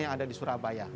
yang ada di surabaya